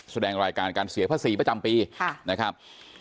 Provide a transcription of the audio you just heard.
แสดงรายการการเสียภาษีประจำปีนะครับ